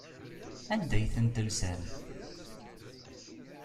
Anda ay ten-telsam?